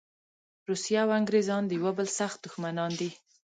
روسیه او انګریزان د یوه بل سخت دښمنان دي.